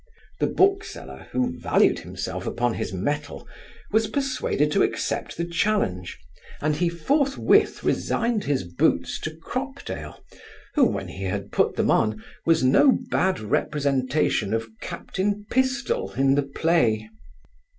The bookseller, who valued himself upon his mettle, was persuaded to accept the challenge, and he forthwith resigned his boots to Cropdale, who, when he had put them on, was no bad representation of captain Pistol in the play.